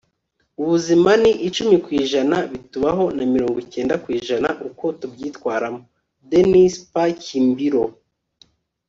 ubuzima ni icumi ku ijana bitubaho na mirongo icyenda ku ijana uko tubyitwaramo. -dennis p. kimbro